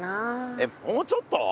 えっもうちょっと？